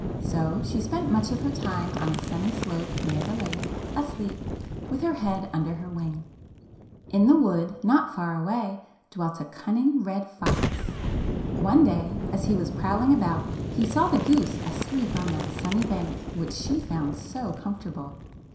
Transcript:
So she spent much of her time on a sunny slope near the lake, asleep, with her head under her wing. In the wood, not far away, dwelt a cun ning red fox. One day, as he was prowling about, he saw the goose asleep on that sunny bank which she found so comfortable.